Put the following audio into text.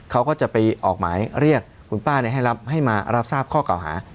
เขาก็จะไปออกหมายเรียกคุณป้าให้มารับทราบข้อเก่าหา